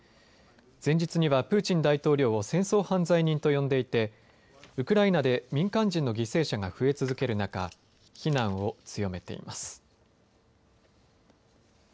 前日にはプーチン大統領を戦争犯罪人と呼んでいてウクライナで民間人の犠牲者が増え続ける中非難を強めています。